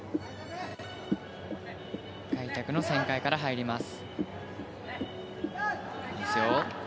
開脚の旋回から入ります。